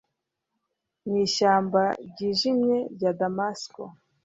n'ishyamba ryijimye rya damasiko